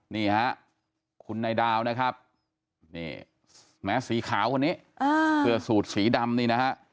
นี่ฮะคุณนายดาวนะครับนี่แม้สีขาวคนนี้เสื้อสูตรสีดำนี่นะฮะ